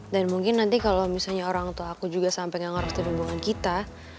dan mungkin nanti kalau misalnya orang tua aku juga sampai gak ngerasain hubungan kita